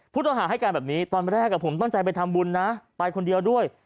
พูดอาหารให้กันแบบนี้ตอนแรกอะผมต้องใจไปทำบุญน่ะไปคนเดียวด้วย